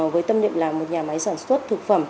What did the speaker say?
với tâm niệm là một nhà máy sản xuất thực phẩm